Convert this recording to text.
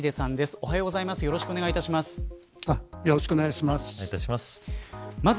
おはようございます。